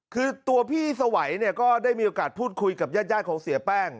คือตัวพี่สวัยเนี่ยก็ได้มีโอกาสพูดคุยกับญาติของเสียแป้ง